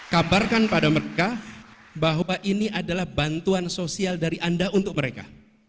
kabarkan pada mereka bahwa ini adalah bantuan sosial dari anda untuk mereka